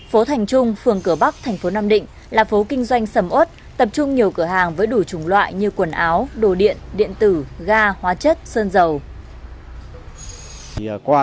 phố thành trung phường cửa bắc thành phố nam định là phố kinh doanh sầm ớt tập trung nhiều cửa hàng với đủ chủng loại như quần áo đồ điện điện tử ga hóa chất sơn dầu